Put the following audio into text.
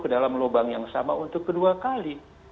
ke dalam lubang yang sama untuk kedua kali